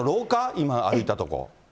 今歩いたとこ。